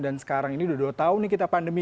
dan sekarang ini sudah dua tahun nih kita pandemi